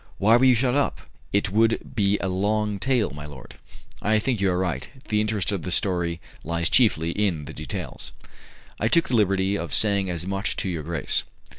"Why were you shut up?" "It would be a long tale, my lord." "I think you are right. The interest of the story lies chiefly in the details." "I took the liberty of saying as much to your grace."